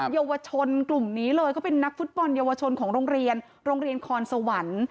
เยาวชนกลุ่มนี้เลยเขาเป็นนักฟุตบอลเยาวชนของโรงเรียนโรงเรียนคอนสวรรค์